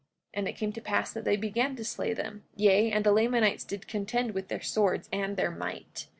And it came to pass that they began to slay them; yea, and the Lamanites did contend with their swords and their might.